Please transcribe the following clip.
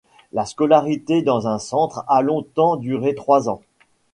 La scolarité dans un centre a longtemps duré trois ans.